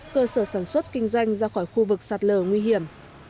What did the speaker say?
cơ sở sản xuất kinh doanh ra khỏi khu vực sạt lở nguy hiểm